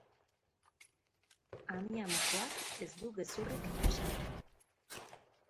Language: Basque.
Amiamokoak ez du gezurrik esan!